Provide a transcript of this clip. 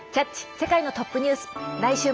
世界のトップニュース」。